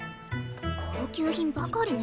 高級品ばかりね。